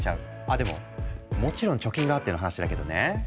あでももちろん貯金があっての話だけどね。